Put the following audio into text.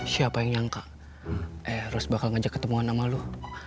siapa yang nyangka eros bakal ngajak ketemuan sama lu